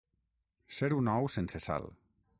Ser un ou sense sal.